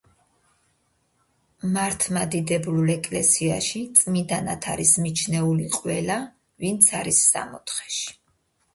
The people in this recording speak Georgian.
მართლმადიდებლურ ეკლესიაში წმინდანად არის მიჩნეული ყველა, ვინც არის სამოთხეში.